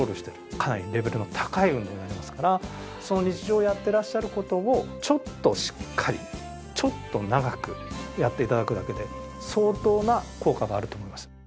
かなりレベルの高い運動になりますからその日常やってらっしゃる事をちょっとしっかりちょっと長くやって頂くだけで相当な効果があると思います。